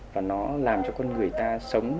và nó làm cho con người ta sống chậm lại